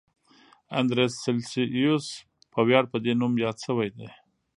اندرلس سلسیوس په ویاړ په دې نوم یاد شوی دی.